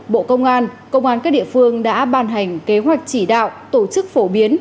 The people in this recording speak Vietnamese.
bộ công an công an các địa phương đã ban hành kế hoạch chỉ đạo tổ chức phổ biến